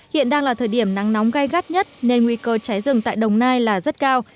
hiện đang là thời điểm nắng nóng gai gắt nhất nên nguy cơ cháy rừng tại đồng nai là rất cao